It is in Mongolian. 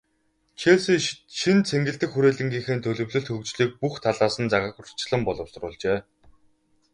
Челси шинэ цэнгэлдэх хүрээлэнгийнхээ төлөвлөлт, хөгжлийг бүх талаас нь загварчлан боловсруулжээ.